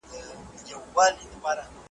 حقيقي عايد په تېرو کلونو کي زيات سوی دی.